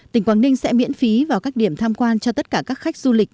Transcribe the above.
tỉnh quảng ninh sẽ miễn phí vào các điểm tham quan cho tất cả các khách du lịch